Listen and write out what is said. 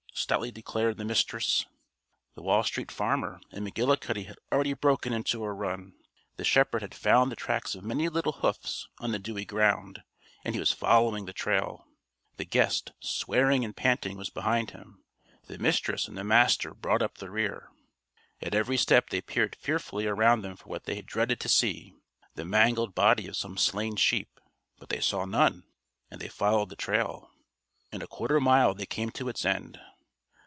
stoutly declared the Mistress. The Wall Street Farmer and McGullicuddy had already broken into a run. The shepherd had found the tracks of many little hoofs on the dewy ground. And he was following the trail. The guest, swearing and panting, was behind him. The Mistress and the Master brought up the rear. At every step they peered fearfully around them for what they dreaded to see the mangled body of some slain sheep. But they saw none. And they followed the trail. In a quarter mile they came to its end.